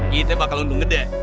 kita bakal untung gede